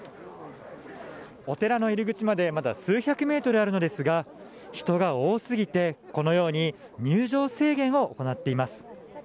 お寺の入り口までまだ数百ｍあるのですが人が多すぎて、このように入場制限を行っています。